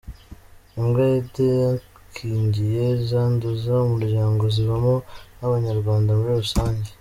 Imbwa zidakingiye, zanduza umuryango zibamo n’abanyarwanda muri rusange.